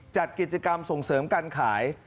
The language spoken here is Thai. จัดกิจกรรมส่งเสริมการขาย